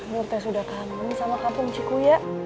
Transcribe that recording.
nur teh sudah kamu sama kampung cikku ya